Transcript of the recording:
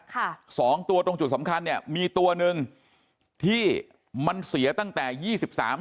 ค่ะสองตัวตรงจุดสำคัญเนี่ยมีตัวหนึ่งที่มันเสียตั้งแต่ยี่สิบสาม